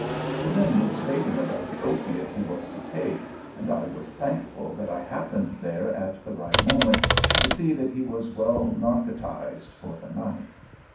The men were debating about the opiate he was to take, and I was thankful that I happened there at the right moment to see that he was well narcotized for the night.